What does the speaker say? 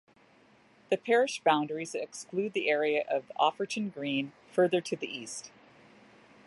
The parish boundaries exclude the area of Offerton Green, further to the east.